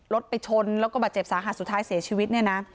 รถไปชนแล้วก็บาดเจ็บสาหัสสุดท้ายเสียชีวิตเนี่ยนะ